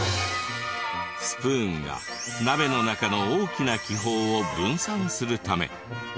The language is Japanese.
スプーンが鍋の中の大きな気泡を分散するため。